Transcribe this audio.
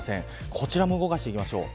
こちらも動かしていきます。